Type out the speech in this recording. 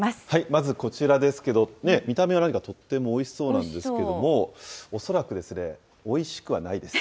まず、こちらですけど、ねぇ、見た目は何かとってもおいしそうなんですけれども、恐らくですね、おいしくはないです。